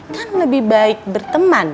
kan lebih baik berteman